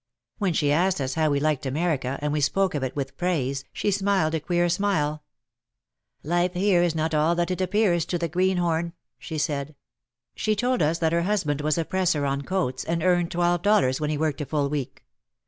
When she asked us how we liked America, and we spoke of it with praise, she smiled a queer smile. "Life here is not all that it appears to the 'green horn/ " she said. She told us that her hus band was a presser on coats and earned twelve dollars when he worked a full week.